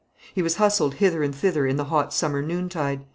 He was hustled hither and thither in the hot summer noontide.